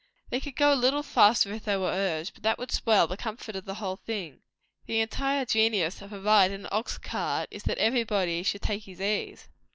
"They could go a little faster if they were urged; but that would spoil the comfort of the whole thing. The entire genius of a ride in an ox cart is, that everybody should take his ease."